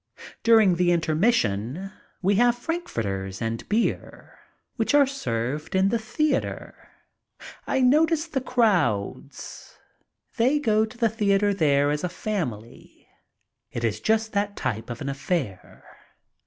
During the intermission we have frankfurters and beer, which are served in the theater. I notice the crowds. They go to the theater there as a fam ily. It is just that type of an affair.